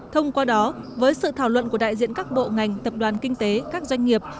thông qua đó với sự thảo luận của đại diện các bộ ngành tập đoàn kinh tế các doanh nghiệp